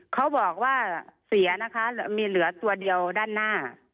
เขาบอกว่าเสียนะคะมีเหลือตัวเดียวด้านหน้า